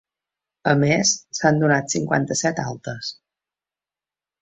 A més, s’han donat cinquanta-set altes.